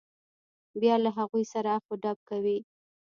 بیا له هغوی سره اخ و ډب کوي.